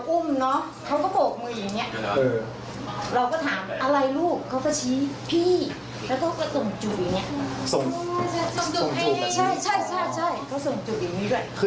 อื้อฮือ